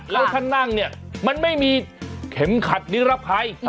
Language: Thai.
แล้วถ้านั่งเนี่ยมันไม่มีเข็มขัดนิรภัย